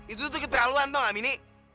itu tuh keterlaluan tau gak mini